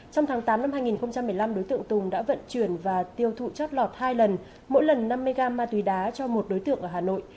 trong tháng tám năm hai nghìn một mươi năm đối tượng tùng đã vận chuyển và tiêu thụ chót lọt hai lần mỗi lần năm mươi gram ma túy đá cho một đối tượng ở hà nội